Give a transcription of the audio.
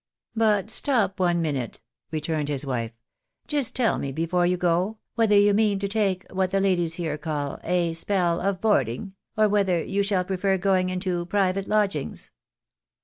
" But stop one minute," returned his wife. " Just tell me be fore you go, whether you mean to take what the ladies here call ' a spell of boarding,' or whether you shall prefer going into private lodgings